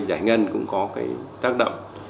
giải ngân cũng có cái tác động